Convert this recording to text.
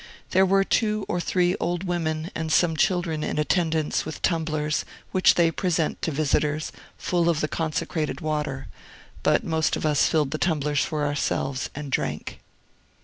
There were two or three old women and some children in attendance with tumblers, which they present to visitors, full of the consecrated water; but most of us filled the tumblers for ourselves, and drank.